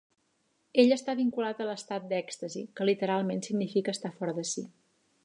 Ell està vinculat a l'estat d'èxtasi, que literalment significa estar fora de si.